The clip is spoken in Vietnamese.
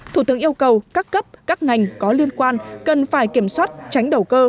thủ tướng yêu cầu các cấp các ngành có liên quan cần phải kiểm soát tránh đầu cơ